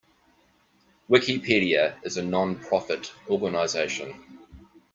Wikipedia is a non-profit organization.